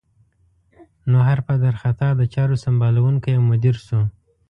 نو هر پدر خطا د چارو سمبالوونکی او مدیر شو.